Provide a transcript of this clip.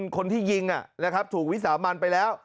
คนที่ยิงถูกวิสามันไปแล้ว